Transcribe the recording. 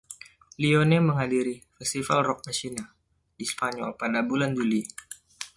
Lione menghadiri Festival Rock Machina di Spanyol pada bulan Juli.